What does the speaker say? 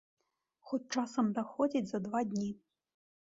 Хоць часам даходзіць за два дні.